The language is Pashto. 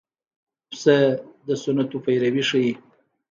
پسه د سنتو پیروي ښيي.